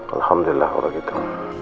alhamdulillah orang itu